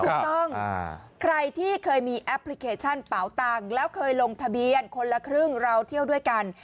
ถูกต้องใครที่เคยมีแอปพลิเคชันเป๋าตังค์แล้วเคยลงทะเบียนคนละครึ่งเราเที่ยวด้วยกัน